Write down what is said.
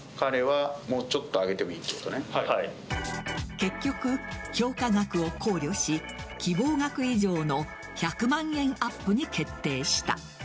結局、評価額を考慮し希望額以上の１００万円アップに決定した。